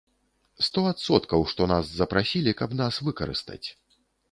Сто адсоткаў, што нас запрасілі, каб нас выкарыстаць.